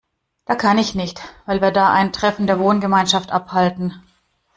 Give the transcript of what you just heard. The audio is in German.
Da kann ich nicht, weil wir da ein Treffen der Wohngemeinschaft abhalten.